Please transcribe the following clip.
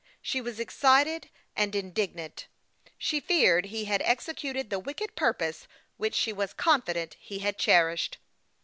She was excited and indignant ; she feared he had executed the wicked purpose which she was confident he had cherished.